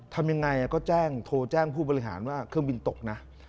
ทำยังไงก็แจ้งโทรแจ้งผู้บริหารว่าเครื่องบินตกนะ